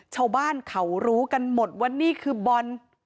ชาวบ้านเขารู้กันหมดว่านี่คือบอล